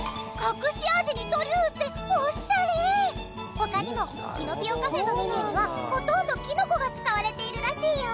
他にもキノピオ・カフェのメニューにはほとんどキノコが使われているらしいよ。